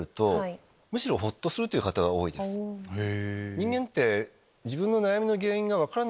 人間って。